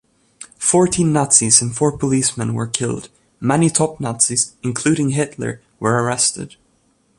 Fourteen Nazis and four policemen were killed; many top Nazis, including Hitler, were arrested.